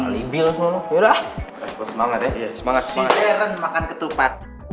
sideren makan ketupat